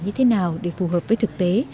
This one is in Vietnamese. như thế nào để phù hợp với thực tế